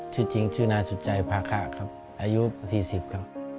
ชื่อจริงชื่อนาจุดใจพระค่ะครับอายุ๔๐ครับ